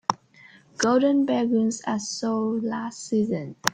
Golden penguins are so last season.